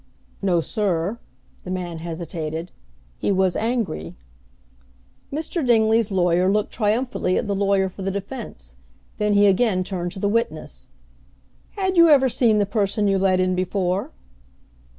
"No, sir." The man hesitated. "He was angry." Mr. Dingley's lawyer looked triumphantly at the lawyer for the defense; then he again turned to the witness. "Had you ever seen the person you let in before?"